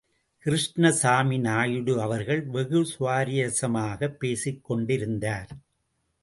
கிருஷ்ணசாமி நாயுடு அவர்கள் வெகு சுவாரஸ்யமாகப் பேசிக்கொண்டிருந்தார்.